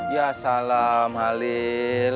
ya salam halil